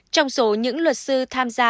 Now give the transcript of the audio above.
trong số những luật sư tham gia